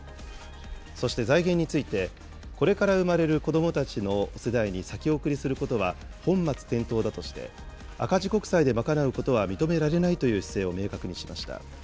そして財源について、これから生まれる子どもたちの世代に先送りすることは本末転倒だとして、赤字国債で賄うことは認められないという姿勢を明確にしました。